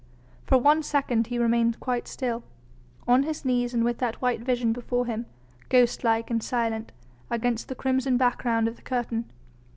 For one second he remained quite still, on his knees and with that white vision before him, ghost like and silent, against the crimson background of the curtain.